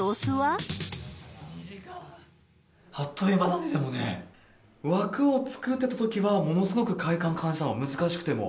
あっという間だね、でもね、枠を作ってたときは、ものすごく快感感じたの、難しくても。